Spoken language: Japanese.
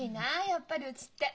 やっぱりうちって。